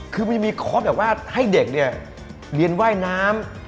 คือมันมีข้อแบบว่าให้เด็กเรียนว่ายน้ำ